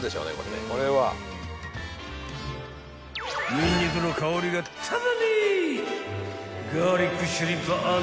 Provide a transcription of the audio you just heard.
［ニンニクの香りがたまんねえ！］